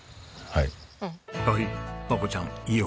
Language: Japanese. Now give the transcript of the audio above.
はい。